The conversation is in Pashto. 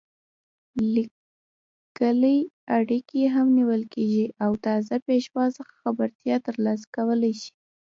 لیکلې اړیکې هم نیول کېږي او تازه پېښو څخه خبرتیا ترلاسه کولای شي.